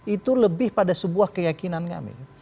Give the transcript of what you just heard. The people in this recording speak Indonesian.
itu lebih pada sebuah keyakinan kami